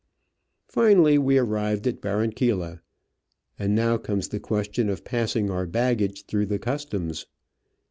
Finally, we arrived at Barranquilla ; and now comes the question of passing our baggage through the Customs.